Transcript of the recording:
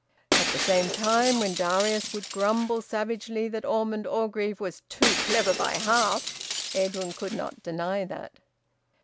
(At the same time, when Darius would grumble savagely that Osmond Orgreave `was too clever by half,' Edwin could not deny that.)